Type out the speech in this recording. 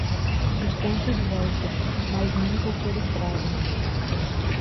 Os tempos voltam, mas nunca o que eles trazem.